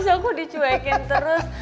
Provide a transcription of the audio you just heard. masa aku dicuekin terus